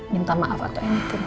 minta maaf atau anything